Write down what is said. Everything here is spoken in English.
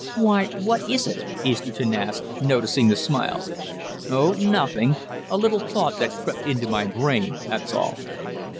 "Why, what is it?" Easterton asked, noticing the smile. "Oh, nothing. A little thought that crept into my brain, that's all."